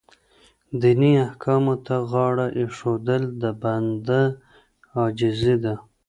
دیني احکامو ته غاړه ایښودل د بنده عاجزي ده.